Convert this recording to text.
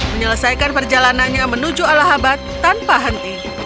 menyelesaikan perjalanannya menuju alahabad tanpa henti